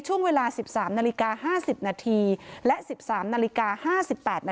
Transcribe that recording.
ช่วงเวลา๑๓น๕๐นและ๑๓น๕๘น